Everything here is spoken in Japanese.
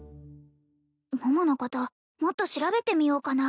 桃のこともっと調べてみようかな